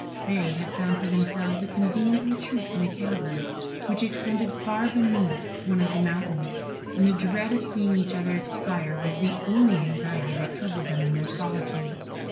They had found for themselves a convenient retreat in a cavern, which extended far beneath one of the mountains, and the dread of seeing each other expire was the only anxiety that troubled them in their solitude.